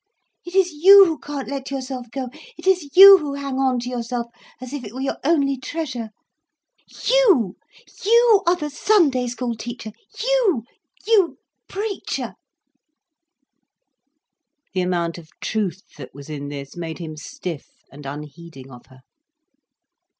It is you who can't let yourself go, it is you who hang on to yourself as if it were your only treasure. You—you are the Sunday school teacher—You—you preacher." The amount of truth that was in this made him stiff and unheeding of her.